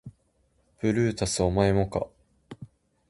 ブルータスお前もか